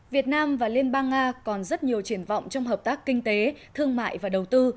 việt nam và liên bang nga còn rất nhiều triển vọng trong hợp tác kinh tế thương mại và đầu tư